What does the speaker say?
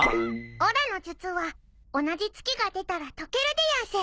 おらの術は同じ月が出たら解けるでやんす。